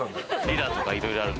リラとかいろいろある。